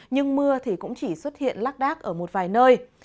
nhưng mưa thì cũng chỉ xuất hiện lắc đác ở một vài nơi